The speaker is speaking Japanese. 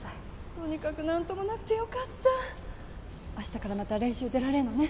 とにかく何ともなくてよかった明日からまた練習出られるのね？